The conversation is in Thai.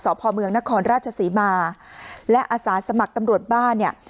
สอบพรเมืองนะคะรราชศีมาและอาสาสมัครตำรวจบ้าน